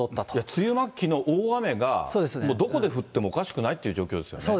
梅雨末期の大雨がどこで降ってもおかしくないという状況ですよね。